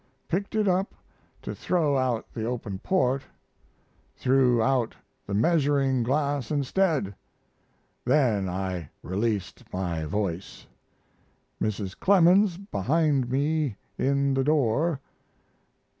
Picked it up to throw out of the open port, threw out the measuring glass instead then I released my voice. Mrs. Clemens behind me in the door.